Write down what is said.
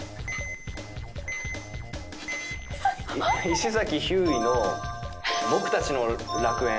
石崎ひゅーいの『僕たちの楽園』